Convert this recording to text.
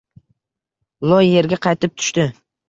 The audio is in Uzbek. Loy yerga qaytib tushdi.